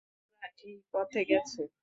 ওরা এই পথে গেছে।